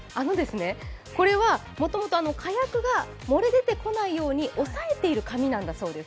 これはもともと火薬が漏れ出てこないように押さえている紙なんだそうです。